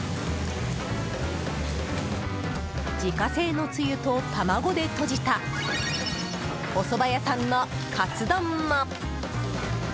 自家製のつゆと卵でとじたおそば屋さんのカツ丼も。